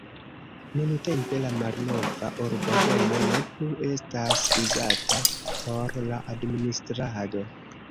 Nuntempe la malnova urbodomo ne plu estas uzata por la administrado.